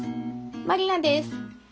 まりなです。